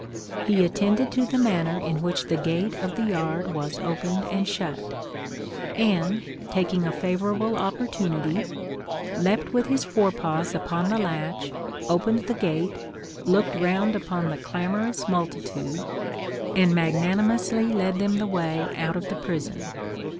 He attended to the manner in which the gate of the yard was opened and shut; and, taking a favourable opportunity, leapt with his forepaws upon the latch, opened the gate, looked round upon the clamorous multitude, and magnanimously led them the way out of the prison.